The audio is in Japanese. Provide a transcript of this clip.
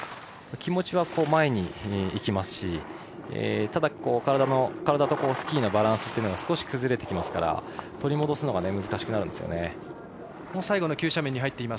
気持ちは前にいきますしただ、体とスキーのバランスが少し崩れてきますから取り戻すのが難しくなるんですね。